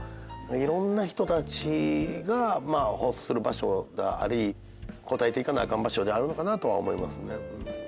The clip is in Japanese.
いろんな人たちが欲する場所であり応えていかなあかん場所であるのかなとは思いますね。